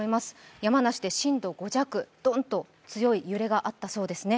山梨で震度５弱、ドンと強い揺れがあったそうです。